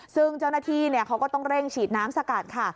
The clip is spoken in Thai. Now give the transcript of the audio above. ซึ่งเจ้าหน้าที่เขาก็ต้องเร่งฉีดน้ำสกัดค่ะ